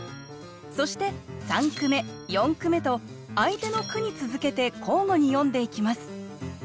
そして三句目四句目と相手の句に続けて交互に詠んでいきます。